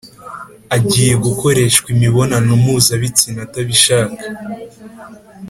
agiye gukoreshwa imibonano mpuzabitsina atabishaka.